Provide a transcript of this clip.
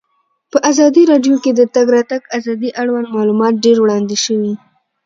په ازادي راډیو کې د د تګ راتګ ازادي اړوند معلومات ډېر وړاندې شوي.